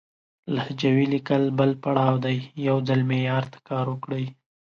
لهجوي ليکل بل پړاو دی، يو ځل معيار ته کار وکړئ!